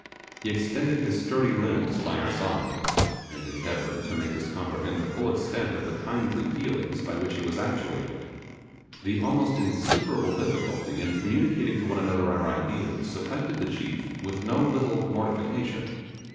He extended his sturdy limbs by our side, and endeavoured to make us comprehend the full extent of the kindly feelings by which he was actuated. The almost insuperable difficulty in communicating to one another our ideas affected the chief with no little mortification.